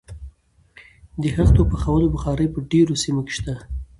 د خښتو پخولو بخارۍ په ډیرو سیمو کې شته.